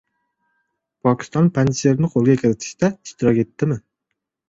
Pokiston Panjsherni qo‘lga kiritishda ishtirok etdimi?